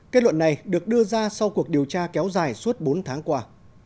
kết luận này được đưa ra sau cuộc điều tra kéo dài suốt bốn tháng qua